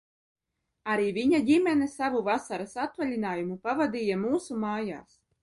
Arī viņa ģimene savu vasaras atvaļinājumu pavadīja mūsu mājās.